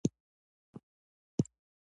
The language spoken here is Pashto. د پوهې زلمیان به دا خاوره اباده کړي.